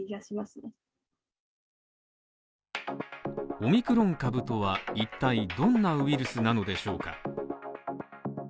オミクロン株とは、いったいどんなウイルスなのでしょうか？